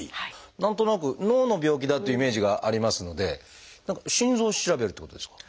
何となく脳の病気だというイメージがありますので心臓を調べるっていうことですか？